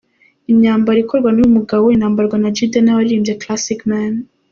Imyambaro ikorwa n’uyu mugabo inambarwa na Jidenna waririmbye ’Classic Man’.